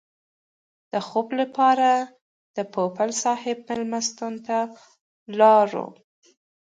د خوب لپاره د پوپل صاحب مېلمستون ته لاړو.